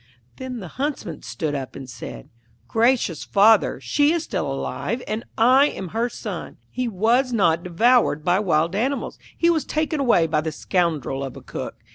Then the Huntsman stood up and said 'Gracious father, she is still alive, and I am her son. He was not devoured by wild animals; he was taken away by the scoundrel of a Cook.